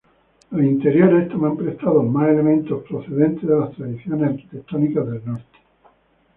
Los interiores toman prestados más elementos procedentes de las tradiciones arquitectónicas del norte.